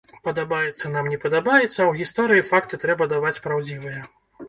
Падабаецца нам, не падабаецца, а ў гісторыі факты трэба даваць праўдзівыя.